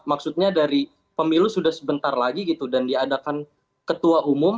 maksudnya dari pemilu sudah sebentar lagi gitu dan diadakan ketua umum